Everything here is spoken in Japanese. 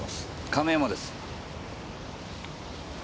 亀山です。